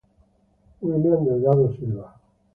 William Delgado Silva.